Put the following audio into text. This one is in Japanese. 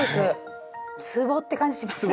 つぼって感じしますね。